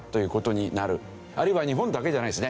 あるいは日本だけじゃないですね。